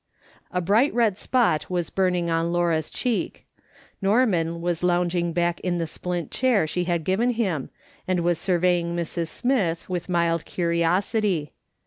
A bright red spot was burning on Laura's cheek. Norman was lounging back in the splint chair she had given him, and was surveying Mrs. Smith with mild curi osity.